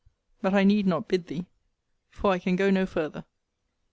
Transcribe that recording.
but I need not bid thee! for I can go no farther!